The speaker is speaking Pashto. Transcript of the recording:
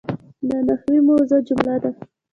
د نحوي موضوع جمله ده.